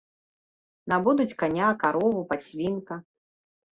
Набудуць каня, карову, падсвінка.